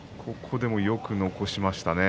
よく残しましたよね。